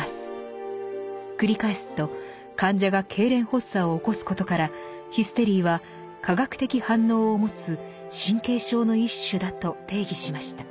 繰り返すと患者がけいれん発作を起こすことからヒステリーは科学的反応を持つ神経症の一種だと定義しました。